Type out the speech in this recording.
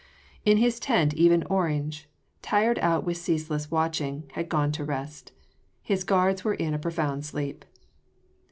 In his tent even Orange tired out with ceaseless watching had gone to rest. His guards were in a profound sleep.